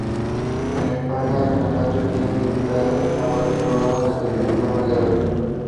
This church establishment marks the beginning of the Baptist movement in Latvia.